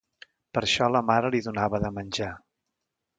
Per això la mare li donava de menjar.